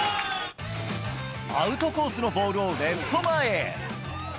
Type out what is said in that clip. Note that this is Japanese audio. アウトコースのボールをレフト前へ。